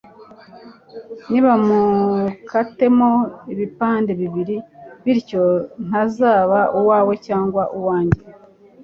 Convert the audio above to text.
nibamukatemo ibipande bibiri, bityo ntazaba uwawe cyangwa uwange